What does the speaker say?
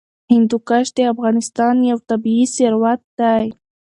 هندوکش د افغانستان یو طبعي ثروت دی.